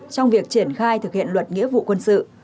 trong việc triển khai thực hiện luật nghĩa vụ quân sự